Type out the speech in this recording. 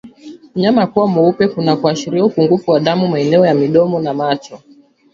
Mnyama kuwa mweupe kunakoashiria upungufu wa damu maeneo ya midomo na macho